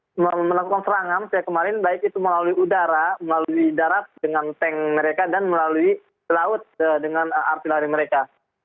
militer israel juga mulai melakukan serangan sejak kemarin baik itu melalui udara melalui darat dengan tank mereka dan melalui laut dengan artileri mereka